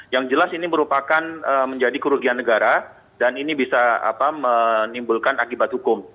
yang jelas ini merupakan menjadi kerugian negara dan ini bisa menimbulkan akibat hukum